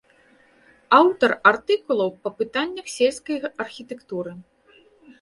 Аўтар артыкулаў па пытаннях сельскай архітэктуры.